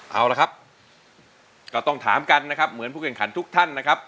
เอาละครับก็ต้องถามกันนะครับเหมือนผู้แข่งขันทุกท่านนะครับ